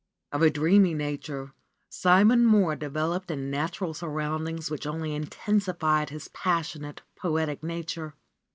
Of a dreamy nature, Simon Mohr developed in natural surroundings which only intensified his passionate, poetic nature.